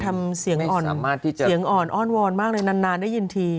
มีความทำเสียงอ่อนอนวรมากเลยนานได้ยินที